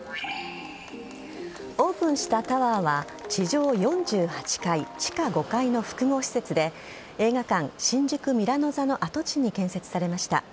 オープンしたタワーは地上４８階地下５階の複合施設で映画館新宿ミラノ座の跡地に建設されました。